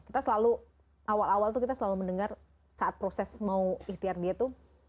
kita selalu awal awal tuh kita selalu mendengar saat proses mau ikhtiar dia tuh